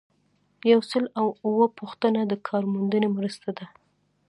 یو سل او اووه پوښتنه د کارموندنې مرسته ده.